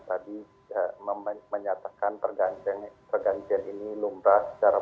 jadi jangan perspekulasi terlalu jauh lah